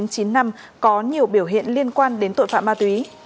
có nhiều biểu hiện liên quan đến tội phạm ma túy